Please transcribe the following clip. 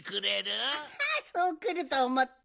そうくるとおもった。